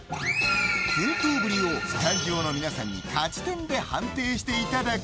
奮闘ぶりをスタジオの皆さんに勝ち点で判定していただく。